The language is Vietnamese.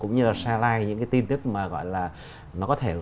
cũng như là share like những cái tin tiếp mà gọi là nó có thể